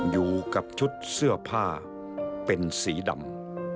อยู่กับชุดเสื้อผ้าเป็นสีดำ